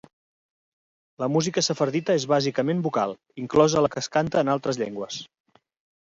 La música sefardita és bàsicament vocal, inclosa la que es canta en altres llengües.